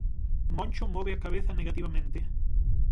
Moncho move a cabeza negativamente.